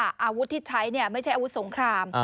อาวุธที่ใช้ไม่ใช่อาวุธสงคราม